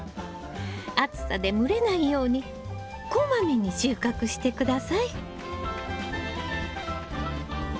暑さで蒸れないようにこまめに収穫して下さい。